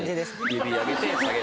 指上げて下げる。